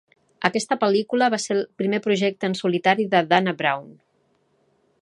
Aquesta pel·lícula va ser el primer projecte en solitari de Dana Brown.